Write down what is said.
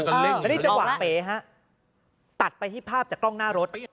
แล้วนี่จังหวังเป๋ศภาพไปที่ภาพจากกล้องหน้ารถ